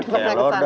oh di sana ya